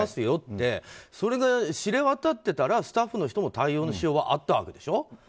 よってそれが知れ渡ってたらスタッフの人も対応のしようはあったわけでしょ。